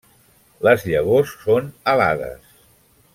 Les llavors són alades.